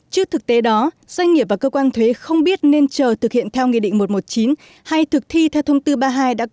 trước thực tế đó doanh nghiệp và cơ quan thuế không biết nên chờ thực hiện theo nghị định một trăm một mươi chín hay thực thi theo thông tư ba mươi hai đã có từ cách đây tám năm